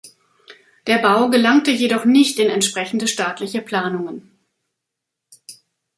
Der Bau gelangte jedoch nicht in entsprechende staatliche Planungen.